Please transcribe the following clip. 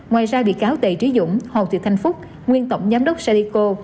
ngoài ra bị cáo tề trí dũng hồ thị thanh phúc nguyên tổng giám đốc sadiko